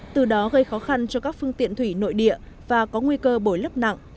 từ đó gây khó khăn cho các phương tiện thủy nội địa và có nguy cơ bồi lấp nặng